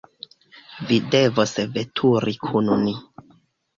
Vi devos veturi kun ni.